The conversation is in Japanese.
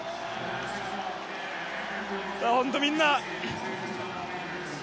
本当にみんな。